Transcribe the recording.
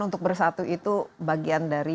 untuk bersatu itu bagian dari